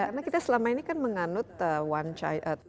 karena kita selama ini kan menganut one china